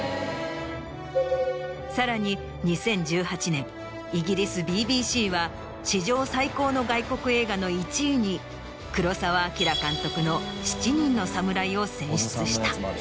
さらに２０１８年イギリスＢＢＣは史上最高の外国映画の１位に黒澤明監督の『七人の侍』を選出した。